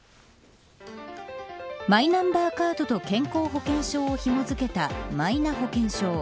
マイナンバーカードと健康保険証をひも付けたマイナ保険証。